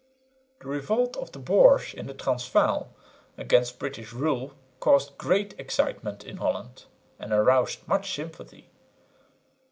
The revolt of the Boers in the Transvaal against British rule caused great excitement in Holland, and aroused much sympathy.